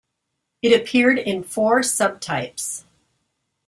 It appeared in four sub-types.